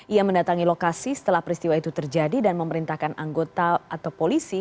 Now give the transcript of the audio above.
ia mendatangi lokasi setelah peristiwa itu terjadi dan memerintahkan anggota atau polisi